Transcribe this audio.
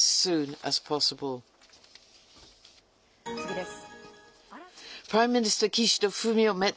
次です。